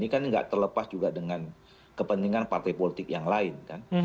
ini kan nggak terlepas juga dengan kepentingan partai politik yang lain kan